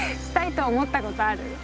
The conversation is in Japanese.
したいと思ったことある？